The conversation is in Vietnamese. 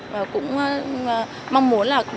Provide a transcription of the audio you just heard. và cũng mong muốn